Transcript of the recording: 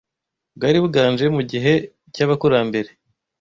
bwari buganje mu gihe cy’abakurambere